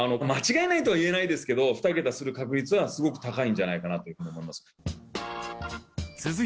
間違いないとは言えないですけど２桁する確率はすごく高いんじゃないかなと思います。